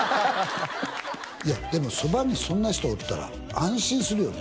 いやでもそばにそんな人おったら安心するよね